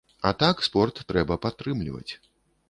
А так спорт трэба падтрымліваць.